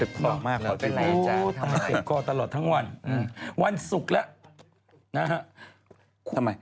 เออเข้าไปเอาเข้าไป